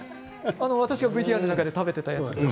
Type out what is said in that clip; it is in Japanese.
私がＶＴＲの中で食べてたやつです。